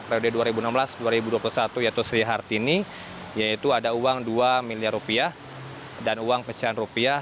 prioritas dua ribu enam belas dua ribu dua puluh satu yaitu sri hartini yaitu ada uang dua miliar rupiah dan uang pecahan rupiah